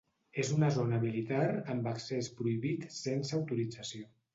És una zona militar amb accés prohibit sense autorització.